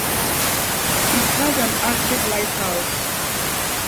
It has an active lighthouse.